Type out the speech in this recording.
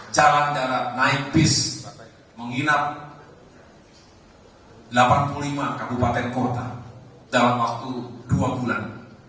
jalan darat naibis menghilang delapan puluh lima kabupaten kota dalam waktu dua bulan